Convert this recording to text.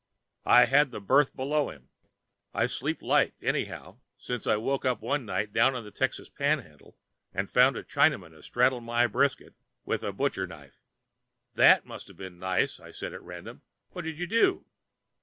"I had the berth below him. I sleep light, anyhow, since I woke up one night down on the Texas Panhandle and found a Chinaman astraddle of my brisket with a butcherknife." "That must have been nice," said I at random. "What did you do?"